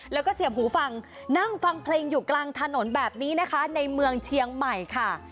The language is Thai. แล้วก็เสียบหูฟังนั่งฟังเพลงอยู่กลางถนนแบบนี้นะคะในเมืองเชียงใหม่ค่ะ